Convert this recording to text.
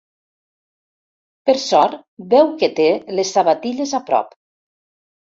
Per sort, veu que té les sabatilles a prop.